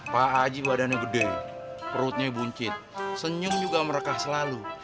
pak aji badannya gede perutnya buncit senyum juga mereka selalu